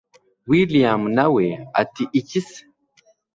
william nawe ati iki se